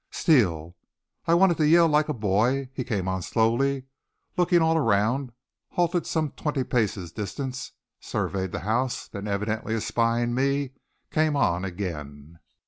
Steele! I wanted to yell like a boy. He came on slowly, looking all around, halted some twenty paces distant, surveyed the house, then evidently espying me, came on again.